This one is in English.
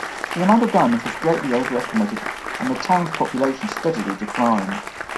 The amount of diamonds was greatly overestimated, and the town population steadily declined.